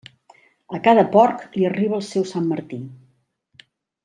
A cada porc li arriba el seu Sant Martí.